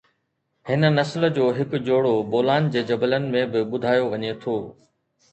هن نسل جو هڪ جوڙو بولان جي جبلن ۾ به ٻڌايو وڃي ٿو